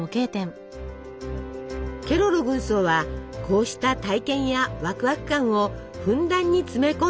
ケロロ軍曹はこうした体験やワクワク感をふんだんに詰め込んだ作品。